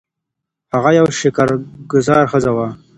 هغه یوه شکر ګذاره ښځه وه.